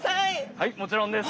はいもちろんです。